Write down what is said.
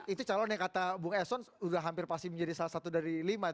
itu calon yang kata bung eson sudah hampir pasti menjadi salah satu dari lima